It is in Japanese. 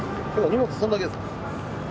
荷物そんだけですか？